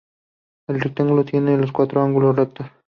El rectángulo tiene los cuatro ángulos rectos.